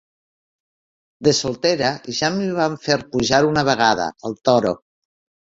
De soltera ja m'hi van fer pujar una vegada, al Toro.